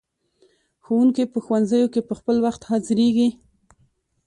ښوونکي په ښوونځیو کې په خپل وخت حاضریږي.